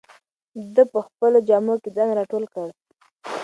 ده په خپلو جامو کې ځان راټول کړ.